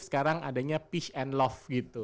sekarang adanya pish and loved gitu